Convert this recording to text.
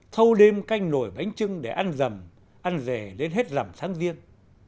thâu đêm canh nổi bánh trưng để ăn rằm ăn rề lên hết rằm tháng riêng